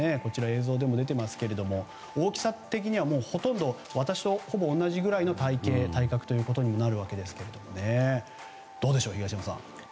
映像でも出ていますけれども大きさ的にはほとんど私とほぼ同じぐらいの体形、体格ということになりますがどうでしょう、東山さん。